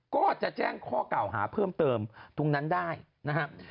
ก็จะแจ้งข้อกล่าวหาเพิ่มเติมตรงนั้นได้นะครับ